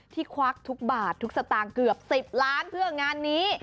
ควักทุกบาททุกสตางค์เกือบ๑๐ล้านเพื่องานนี้